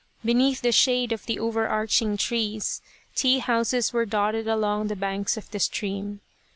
Beneath the shade of the over arching trees, tea houses were dotted along the banks of the stream.